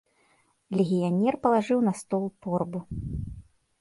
Легіянер палажыў на стол торбу.